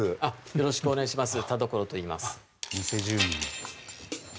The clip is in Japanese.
よろしくお願いします。